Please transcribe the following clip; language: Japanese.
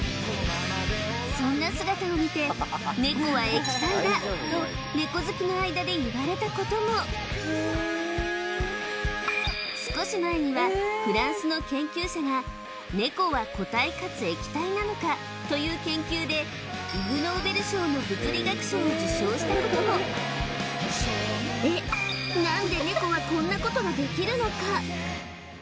そんな姿を見てネコは液体だとネコ好きの間でいわれたことも少し前にはフランスの研究者がという研究でイグ・ノーベル賞の物理学賞を受賞したこともで何でネコはこんなことができるのか？